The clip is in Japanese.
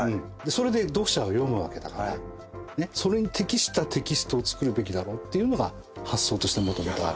それで読者は読むわけだからそれに適したテキストを作るべきだろっていうのが発想としてもともとある。